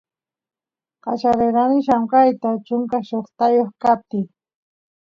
qallarerani llamkayta chunka shoqtayoq kaptiy